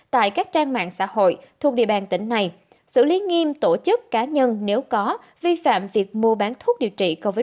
tại các trang mạng xã hội thuộc địa bàn tỉnh này xử lý nghiêm tổ chức cá nhân nếu có vi phạm việc mua bán thuốc điều trị covid một mươi chín